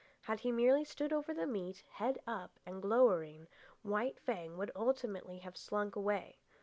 Had he merely stood over the meat, head up and glowering, White Fang would ultimately have slunk away.